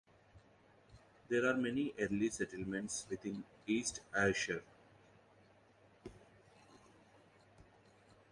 There are many early settlements within East Ayrshire.